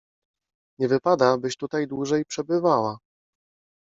Nie wypada, byś tutaj dłużej przebywała!